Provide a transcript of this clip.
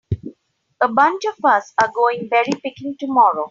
A bunch of us are going berry picking tomorrow.